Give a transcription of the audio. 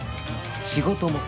仕事も